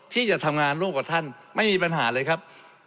ที่จะทำงานร่วมกับท่านไม่มีปัญหาเลยครับ